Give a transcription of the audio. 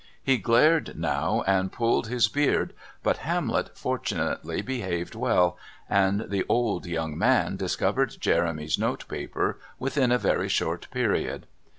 He glared now and pulled his beard, but Hamlet fortunately behaved well, and the old young man discovered Jeremy's notepaper within a very short period.